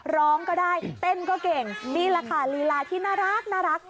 ร้องก็ได้เต้นก็เก่งนี่แหละค่ะลีลาที่น่ารัก